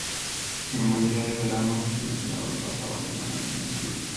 La mayoría de veranos, el emperador pasaba semanas en esta villa.